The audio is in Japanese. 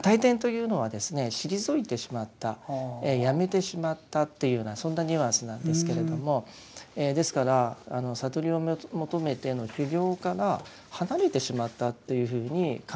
退転というのはですね退いてしまったやめてしまったというようなそんなニュアンスなんですけれどもですから悟りを求めての修行から離れてしまったっていうふうに考えたようなんです。